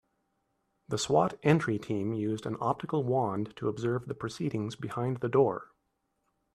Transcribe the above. The S.W.A.T. entry team used an optical wand to observe the proceedings behind the door.